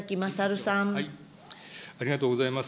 ありがとうございます。